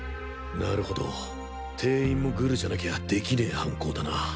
なるほど店員もグルじゃなきゃできねぇ犯行だな。